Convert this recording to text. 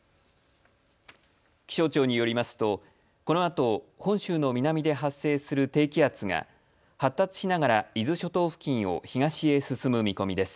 気象庁によりますとこのあと本州の南で発生する低気圧が発達しながら伊豆諸島付近を東へ進む見込みです。